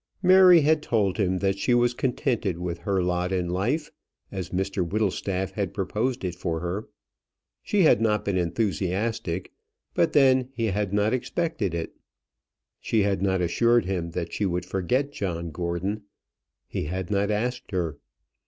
Mary had told him that she was contented with her lot in life, as Mr Whittlestaff had proposed it for her. She had not been enthusiastic; but then he had not expected it. She had not assured him that she would forget John Gordon. He had not asked her.